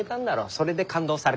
それで勘当された。